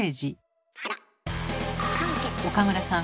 岡村さん